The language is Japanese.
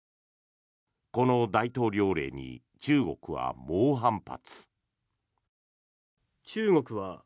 この大統領令に中国は猛反発。